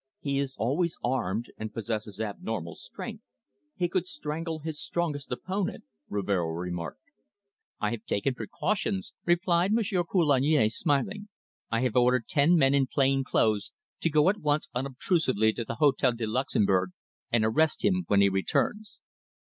He is always armed, and possesses abnormal strength. He could strangle his strongest opponent," Rivero remarked. "I have taken precautions," replied Monsieur Coulagne, smiling. "I have ordered ten men in plain clothes to go at once unobtrusively to the Hôtel du Luxembourg, and arrest him when he returns."